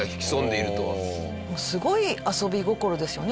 すごい遊び心ですよね。